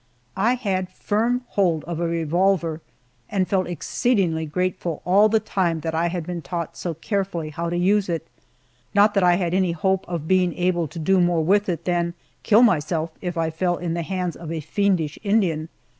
I had firm hold of a revolver, and felt exceedingly grateful all the time that I had been taught so carefully how to use it, not that I had any hope of being able to do more with it than kill myself, if I fell in the hands of a fiendish Indian.